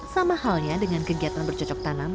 sama halnya dengan kegiatan bercocok tanam